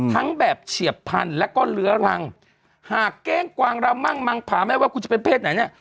ทั้งแบบเฉียบพันธุ์แล้วก็เลื้อรังหากเก้งกวางระมั่งมังผาไม่ว่าคุณจะเป็นเพศไหนเนี่ย